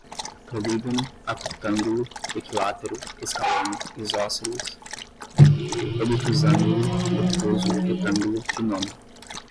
polígono, acutângulo, equilátero, escaleno, isósceles, obtusângulo, obtuso, retângulo, trinômio